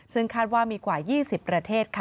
ซึ่งคาดว่ามีกว่า๒๐ประเทศค่ะ